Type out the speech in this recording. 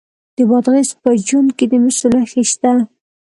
د بادغیس په جوند کې د مسو نښې شته.